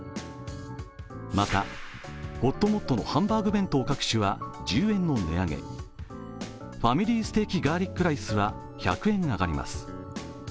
また、ほっともっとのハンバーグ弁当各種は１０円の値上げファミリーステーキガーリックライスは１００円上がります。